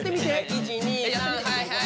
１２３はいはい。